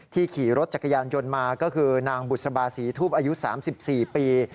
ขี่รถจักรยานยนต์มาก็คือนางบุษบาศรีทูปอายุ๓๔ปี